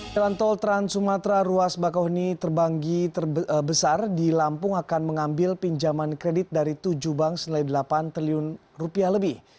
jalan tol trans sumatera ruas bakauheni terbanggi terbesar di lampung akan mengambil pinjaman kredit dari tujuh bank senilai delapan triliun rupiah lebih